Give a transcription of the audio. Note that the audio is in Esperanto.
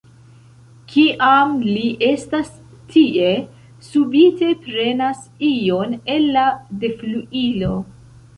Kiam li estas tie, subite prenas ion el la defluilo.